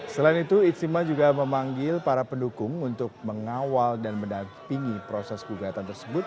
selain itu ijtima juga memanggil para pendukung untuk mengawal dan mendampingi proses gugatan tersebut